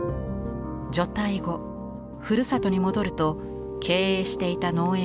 除隊後ふるさとに戻ると経営していた農園は破産。